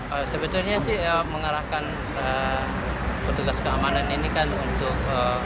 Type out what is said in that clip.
memang sebetulnya ada ancaman dari korup